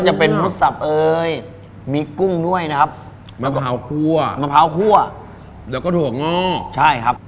ใช่ครับ